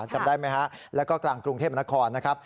จำได้ไหมฮะแล้วก็กลางกรุงเทพนครนะครับ